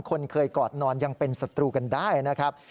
คนเคยกอดนอนยังเป็นศัตรูกันได้นะครับ